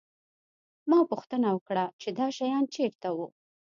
ما پوښتنه وکړه چې دا شیان چېرته وو